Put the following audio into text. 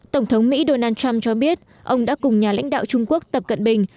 tổng thống mỹ donald trump cho biết ông đã cùng nhà lãnh đạo trung quốc tập cận bình